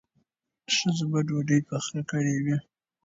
ښځو به ډوډۍ پخ کړې وي.